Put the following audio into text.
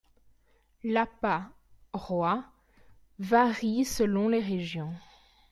L'appât roi varie selon les régions.